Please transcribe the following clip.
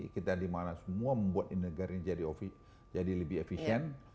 kita dimana semua membuat negara ini jadi lebih efisien